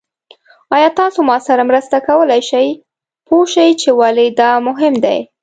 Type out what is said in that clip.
ایا تاسو ما سره مرسته کولی شئ پوه شئ چې ولې دا مهم دی؟